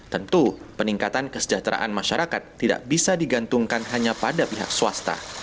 tentu peningkatan kesejahteraan masyarakat tidak bisa digantungkan hanya pada pihak swasta